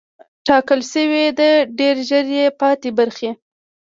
ټاکل شوې ده ډېر ژر یې پاتې برخې